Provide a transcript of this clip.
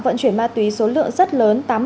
vận chuyển ma túy số lượng rất lớn